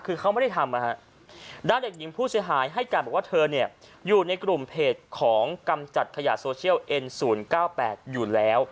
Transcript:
คือเขาไม่ได้ทำนะฮะ